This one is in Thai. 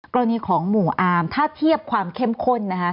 กรณีของหมู่อาร์มถ้าเทียบความเข้มข้นนะคะ